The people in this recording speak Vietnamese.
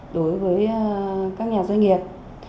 đối với các nhà doanh nghiệp